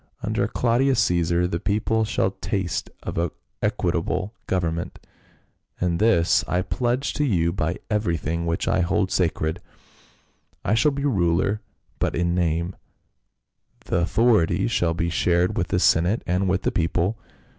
Under Claudius Cc esar the people shall taste of equitable government, and this I pledge to you by everything which I hold sacred. I shall be ruler but in name ; the authority shall be shared with the senate and with the people."